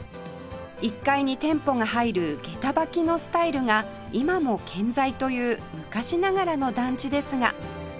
１階に店舗が入る下駄履きのスタイルが今も健在という昔ながらの団地ですが